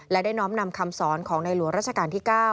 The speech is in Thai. และได้น้อมนำคำสอนของในหลวงราชการที่๙